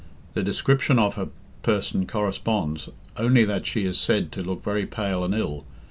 The description of her person corresponds, only that she is said to look very pale and ill.